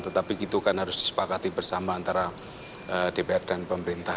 tetapi itu kan harus disepakati bersama antara dpr dan pemerintah